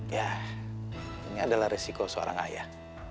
ya ini adalah resiko seorang ayah